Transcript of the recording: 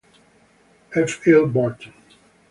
F. L. Burton.